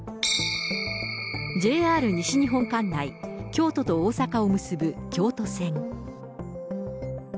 ＪＲ西日本管内、京都と大阪を結ぶ京都線。